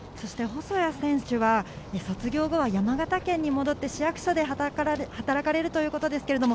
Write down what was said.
細谷選手は卒業後、山形県に戻って市役所で働かれるということです。